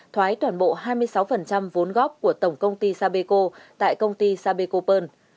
thoái toàn bộ hai mươi sáu vốn góp của tổng công ty sapeco tại công ty sapeco pearl